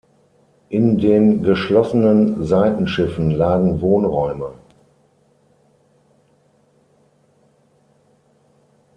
In den geschlossenen Seitenschiffen lagen Wohnräume.